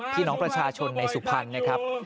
พี่น้องประชาชนในสุพรรณนะครับ